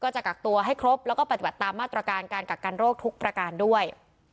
จะกักตัวให้ครบแล้วก็ปฏิบัติตามมาตรการการกักกันโรคทุกประการด้วย